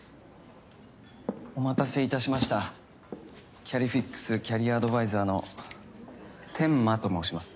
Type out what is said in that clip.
お待たせいたしましたキャリフィックスキャリアアドバイザーの天間と申します。